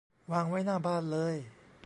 วางไว้หน้าบ้านเลย